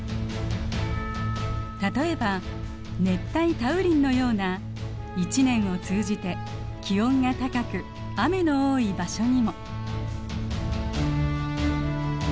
例えば熱帯多雨林のような一年を通じて気温が高く雨の多い場所にも。